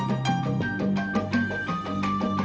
bangun xl juel pada sana